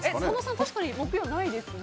確かに木曜ないですね。